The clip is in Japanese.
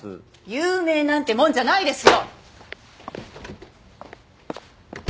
有名なんてもんじゃないですよ！